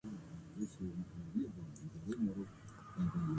مسبوق شدن